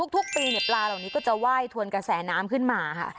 ทุกปีปลาเหล่านี้ก็จะไหว้ทวนกระแสน้ำขึ้นมาค่ะ